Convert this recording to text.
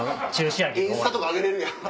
インスタとか上げれるやん。